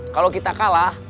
kalau kita kalah